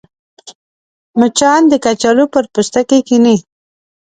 مچان د کچالو پر پوستکي کښېني